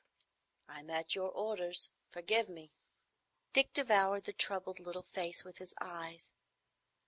"I'm at your orders; forgive me." Dick devoured the troubled little face with his eyes.